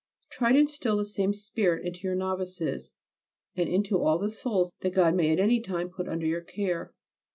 Try to instil this same spirit into your novices and into all the souls that God may at any time put under your care.